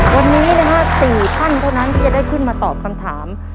วันนี้นะฮะ๔ท่านเท่านั้นที่จะได้ขึ้นมาตอบคำถาม